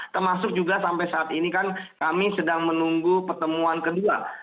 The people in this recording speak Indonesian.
termasuk juga sampai saat ini kan kami sedang menunggu pertemuan kedua